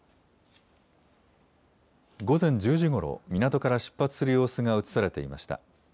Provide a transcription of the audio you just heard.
午前１０時ごろ、港から出発する様子が写されていました。